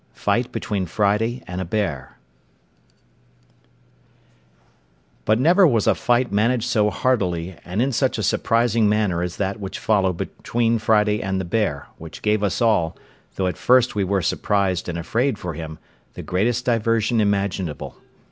FIGHT BETWEEN FRIDAY AND A BEAR But never was a fight managed so hardily, and in such a surprising manner as that which followed between Friday and the bear, which gave us all, though at first we were surprised and afraid for him, the greatest diversion imaginable.